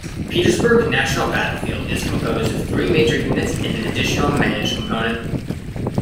Petersburg National Battlefield is composed of three major units and an additional managed component.